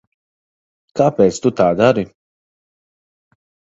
Kāpēc tu tā dari?